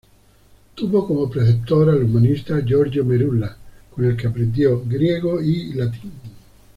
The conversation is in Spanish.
Tuvo como preceptor al humanista Giorgio Merula, con el que aprendió griego y latín.